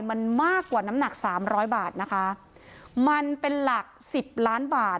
มันมากกว่าน้ำหนักสามร้อยบาทนะคะมันเป็นหลักสิบล้านบาท